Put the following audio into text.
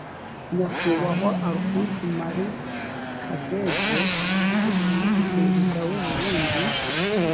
nyakubahwa alphonse marie kadege visi perezida w u burundi